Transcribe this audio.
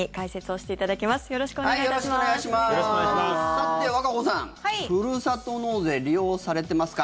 さて、和歌子さんふるさと納税利用されてますか？